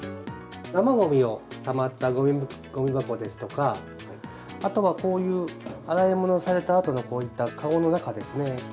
生ごみがたまったごみ箱ですとか、あとはこういう洗い物をされたあとのこういった籠の中ですね。